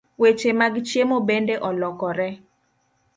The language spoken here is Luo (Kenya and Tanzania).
Weche mag chiemo bende olokore.